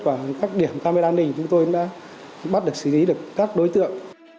và các điểm camera an ninh chúng tôi đã bắt được xử lý được các đối tượng